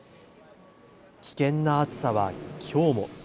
危険な暑さはきょうも。